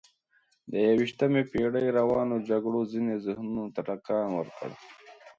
د یویشتمې پېړۍ روانو جګړو ځینو ذهنونو ته ټکان ورکړ.